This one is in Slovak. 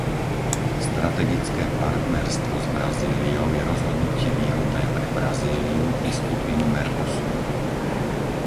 Strategické partnerstvo s Brazíliou je rozhodnutie výhodné pre Brazíliu i skupinu Mercosur.